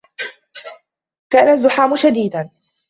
كَانَ الزِّحامُ شَدِيدًا.